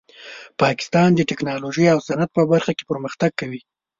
پاکستان د ټیکنالوژۍ او صنعت په برخه کې پرمختګ کوي.